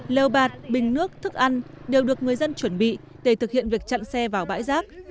lều bạt bình nước thức ăn đều được người dân chuẩn bị để thực hiện việc chặn xe vào bãi rác